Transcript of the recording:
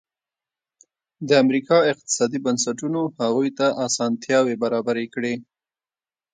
د امریکا اقتصادي بنسټونو هغوی ته اسانتیاوې برابرې کړې.